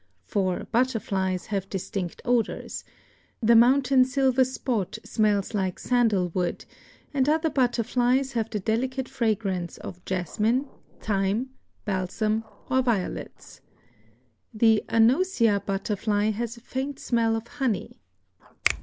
For butterflies have distinct odors; the mountain silver spot smells like sandalwood, and other butterflies have the delicate fragrance of jasmine, thyme, balsam or violets. The anosia butterfly has a faint smell of honey.